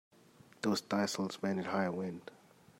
Those thistles bend in a high wind.